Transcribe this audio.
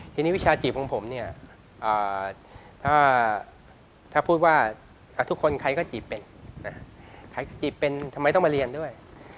ทีนี้วิชาจีบของผมเนี่ยถ้าพูดว่าทุกคนใครก็จีบเป็นใครจีบเป็นทำไมต้องมาเรียนด้วย